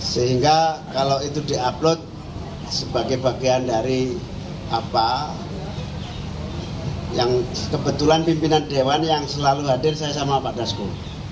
sehingga kalau itu di upload sebagai bagian dari apa yang kebetulan pimpinan dewan yang selalu hadir saya sama pak dasko